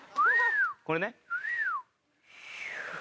これね。